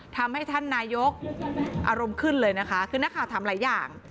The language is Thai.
ทำให้ท่านนายกอารมณ์ขึ้นเลยนะคะคือนักข่าวถามหลายอย่าง